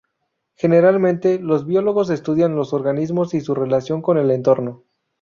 Generalmente los biólogos estudian los organismos y su relación con el entorno.